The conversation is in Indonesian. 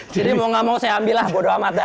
jadi mau nggak mau saya ambil lah bodo amat